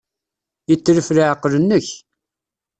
Yetlef leɛqel-nnek.